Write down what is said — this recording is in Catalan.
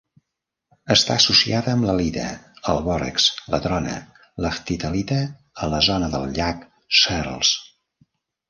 Està associada amb l'halita, el bòrax, la trona i l'aftitalita a la zona del llac Searles.